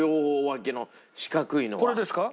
これですか？